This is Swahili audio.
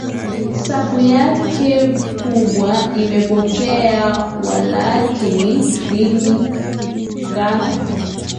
Safu yake kubwa imepotea Walakini dini ngano